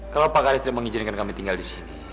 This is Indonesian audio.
kalau pak galeri tidak mengizinkan kami tinggal di sini